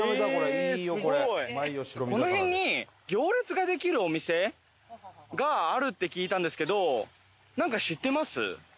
この辺に行列ができるお店があるって聞いたんですけどなんか知ってます？